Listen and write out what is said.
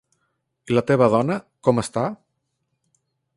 I la teva dona, com està?